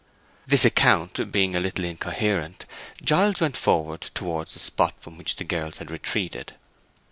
This account being a little incoherent, Giles went forward towards the spot from which the girls had retreated.